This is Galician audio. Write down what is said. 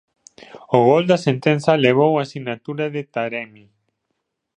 O gol da sentenza levou a sinatura de Taremi.